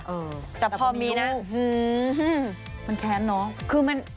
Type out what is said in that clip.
เออแต่พอมีลูก